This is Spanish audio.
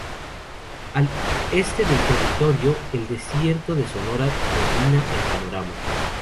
Al este del territorio, el Desierto de Sonora domina el panorama.